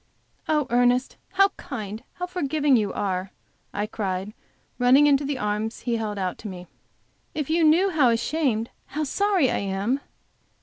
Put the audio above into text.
"Oh, Ernest, how kind, how forgiving you are?", I cried, running into the arms he held out to me, "If you knew how ashamed, how sorry, I am!"